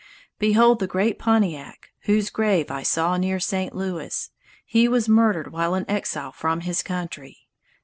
Behold the great Pontiac, whose grave I saw near St. Louis; he was murdered while an exile from his country!